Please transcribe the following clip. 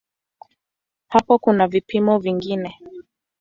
Hapo kuna vipimo vingine.